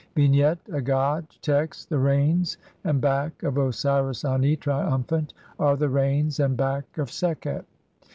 Vignette : A god. Text : (15) The reins and back of Osiris Ani, triumphant, are the reins and back of Sekhet.